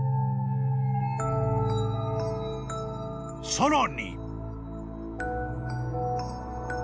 ［さらに］